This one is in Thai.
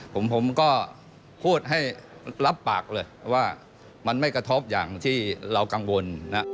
ผมก็พูดให้รับปากเลยว่ามันไม่กระทบอย่างที่เรากังวลนะ